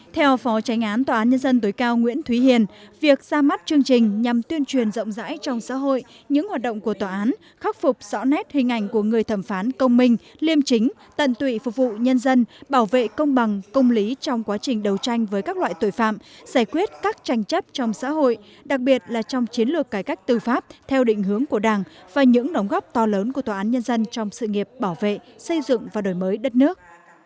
theo phó tránh án tòa án nhân dân tối cao nguyễn thúy hiền việc ra mắt chương trình nhằm tuyên truyền rộng rãi trong xã hội những hoạt động của tòa án khắc phục rõ nét hình ảnh của người thẩm phán công minh liêm chính tận tụy phục vụ nhân dân bảo vệ công bằng công lý trong quá trình đấu tranh với các loại tội phạm giải quyết các tranh chấp trong xã hội đặc biệt là trong chiến lược cải cách tư pháp theo định hướng của đảng và những đóng góp to lớn của tòa án nhân dân trong sự nghiệp bảo vệ xây dựng và đổi mới đất nước